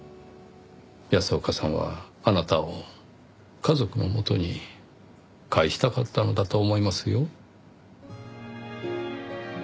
安岡さんはあなたを家族のもとに帰したかったのだと思いますよ。